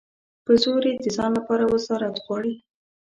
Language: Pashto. په زور یې د ځان لپاره وزارت غواړي.